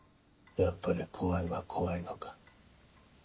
やっぱり怖いは怖いのか。